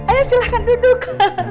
ayo silahkan duduk